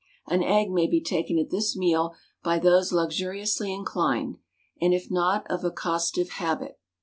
An egg may be taken at this meal by those luxuriously inclined, and if not of a costive habit.